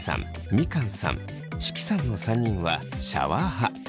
みかんさん識さんの３人はシャワー派。